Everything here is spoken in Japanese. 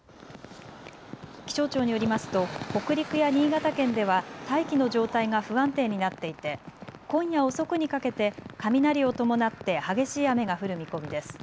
気象庁によりますと北陸や新潟県では大気の状態が不安定になっていて今夜遅くにかけて雷を伴って激しい雨が降る見込みです。